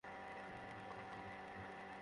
আমাদের কাছে কিন্তু ক্যাসেট নেই।